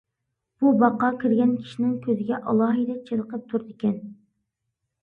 بۇ باغقا كىرگەن كىشىنىڭ كۆزىگە ئالاھىدە چېلىقىپ تۇرىدىكەن.